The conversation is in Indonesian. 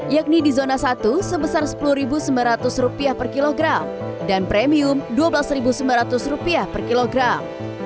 yakni di zona satu sebesar rp sepuluh sembilan ratus per kilogram dan premium rp dua belas sembilan ratus per kilogram